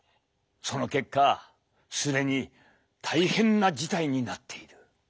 その結果既に大変な事態になっている。